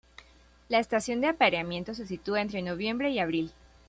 La estación de apareamiento se sitúa entre noviembre y abril.